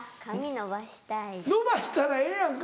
伸ばしたらええやんか！